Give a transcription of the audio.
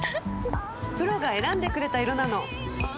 プロが選んでくれた色なの！